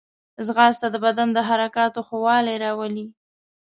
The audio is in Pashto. ځغاسته د بدن د حرکاتو ښه والی راولي